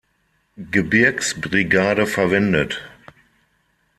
Gebirgs-Brigade verwendet.